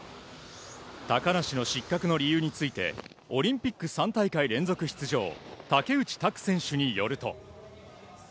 高梨の失格の理由について、オリンピック３大会連続出場、竹内択選手によると。